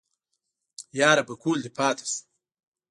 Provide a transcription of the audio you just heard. يره پکول دې پاتې شو.